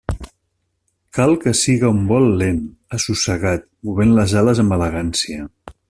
Cal que siga un vol lent, assossegat, movent les ales amb elegància.